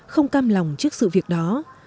không cam lòng trước sự việc đó